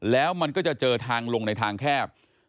แล้วมันก็จะเจอทางลงในทางแคบ